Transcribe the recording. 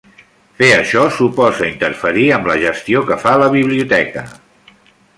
Fer això suposa interferir amb la gestió que fa la biblioteca.